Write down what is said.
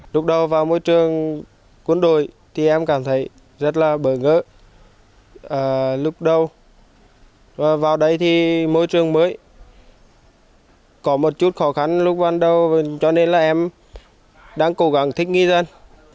lúc đầu vào môi trường quân đội thì em cảm thấy rất là bỡ ngỡ lúc đầu và vào đây thì môi trường mới có một chút khó khăn lúc ban đầu cho nên là em đang cố gắng thích nghi dân